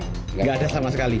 enggak ada sama sekali